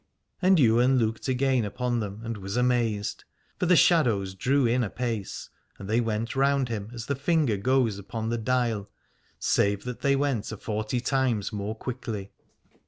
And Ywain looked again upon them and was amazed : for the shadows drew in apace, and they went round him as the finger goes upon the dial, save that they went a forty times more quickly.